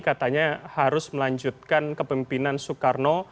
katanya harus melanjutkan kepemimpinan soekarno